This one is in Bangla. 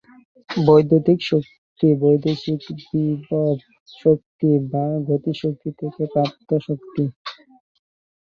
বৈদ্যুতিক শক্তি বৈদ্যুতিক বিভব শক্তি বা গতিশক্তি থেকে প্রাপ্ত শক্তি।